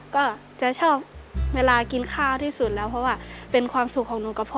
ก็จะชอบเวลากินข้าวที่สุดแล้วเพราะว่าเป็นความสุขของหนูกับพ่อ